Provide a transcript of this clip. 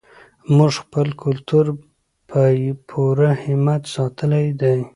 موږ خپل کلتور په پوره همت ساتلی دی.